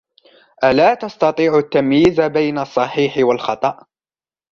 ألا تستطيع التمييز بين الصحيح والخطأ ؟